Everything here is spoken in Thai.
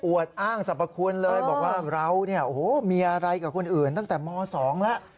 อวดอ้างสรรพคุณเลยบอกว่าเรามีอะไรกับคนอื่นตั้งแต่ม๒แล้ว